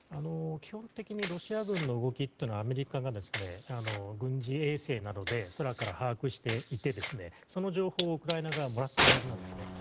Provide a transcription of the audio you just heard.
基本的にロシア軍の動きはアメリカが軍事衛星などで空から把握していてその情報をウクライナ側はもらっているはずなんですね。